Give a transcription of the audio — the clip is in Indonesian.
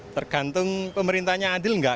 tergantung pemerintahnya adil atau tidak